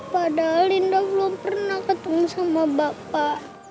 padahal linda belum pernah ketemu sama bapak